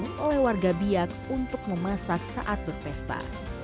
yang dibatang oleh warga biak untuk memasak saat berpesta